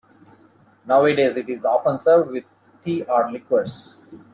Nowadays, it is often served with tea or liqueurs.